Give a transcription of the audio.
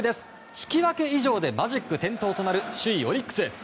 引き分け以上でマジック点灯となる首位オリックス。